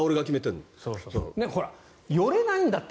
ほら、寄れないんだって。